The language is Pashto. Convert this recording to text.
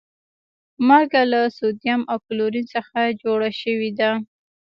مالګه له سودیم او کلورین څخه جوړه شوی ده